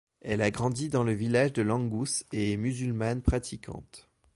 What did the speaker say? Elle a grandi dans le village de Langhus et est musulmane pratiquante.